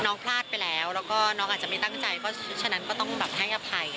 พลาดไปแล้วแล้วก็น้องอาจจะไม่ตั้งใจเพราะฉะนั้นก็ต้องแบบให้อภัย